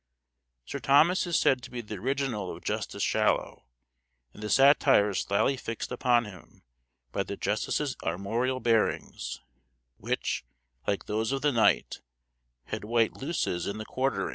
Sir Thomas is said to be the original of Justice Shallow, and the satire is slyly fixed upon him by the justice's armorial bearings, which, like those of the knight, had white luces+ in the quarterings.